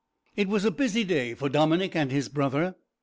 It was a busy day for Dominick and his brother.